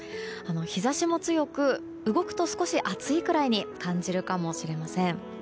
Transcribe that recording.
日差しも強く動くと少し暑いぐらいに感じるかもしれません。